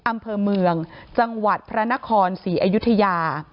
อำเภอเมืองจังหวัดพระนครศรีอยุธยา